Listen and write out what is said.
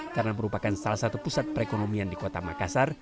karena merupakan salah satu pusat perekonomian di kota makassar